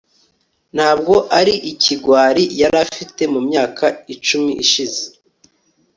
Ntabwo ari ikigwari yari afite mu myaka icumi ishize